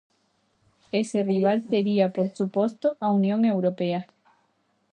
Ese rival sería, por suposto, a Unión Europea.